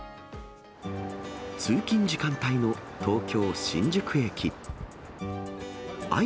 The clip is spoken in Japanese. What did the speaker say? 通勤時間帯の東京・新宿駅。